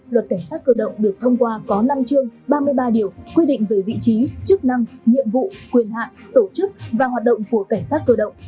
luật cảnh sát cơ động được thông qua có năm chương ba mươi ba điều quy định về vị trí chức năng nhiệm vụ quyền hạn tổ chức và hoạt động của cảnh sát cơ động